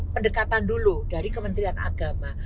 pendekatan dulu dari kementerian agama